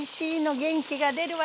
元気が出るわよね。